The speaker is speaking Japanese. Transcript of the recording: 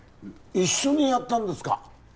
一緒にやったんですか？